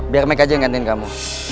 biar mek aja yang gantiin kamu